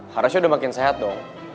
harusnya udah makin sehat dong